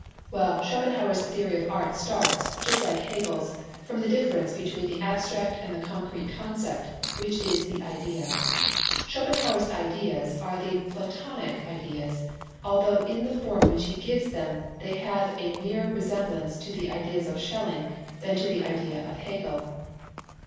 Well, Schopenhauer's theory of art starts, just like Hegel's, from the difference between the abstract and the concrete concept, which is the Idea. Schopenhauer's ideas are the Platonic ideas, although in the form which he gives to them, they have a nearer resemblance to the Ideas of Schelling than to the Idea of Hegel.